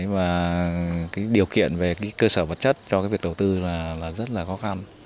và điều kiện về cơ sở vật chất cho việc đầu tư là rất là khó khăn